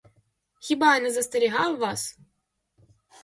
Хіба я не застерігав вас?